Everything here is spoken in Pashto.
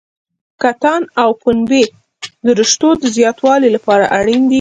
د کتان او پنبې د رشتو د زیاتوالي لپاره اړین دي.